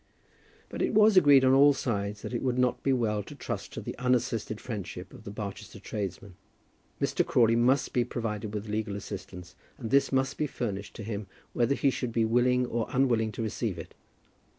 But it was agreed on all sides that it would not be well to trust to the unassisted friendship of the Barchester tradesmen. Mr. Crawley must be provided with legal assistance, and this must be furnished to him whether he should be willing or unwilling to receive it.